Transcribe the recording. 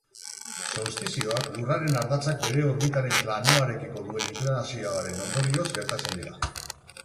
Solstizioak Lurraren ardatzak bere orbitaren planoarekiko duen inklinazioaren ondorioz gertatzen dira.